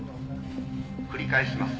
「繰り返します。